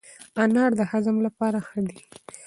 انار د هضم لپاره ښه دی.